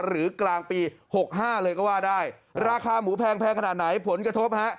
กลางปี๖๕เลยก็ว่าได้ราคาหมูแพงขนาดไหนผลกระทบฮะ